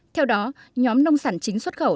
theo đó nhóm nông sản chính xuất khẩu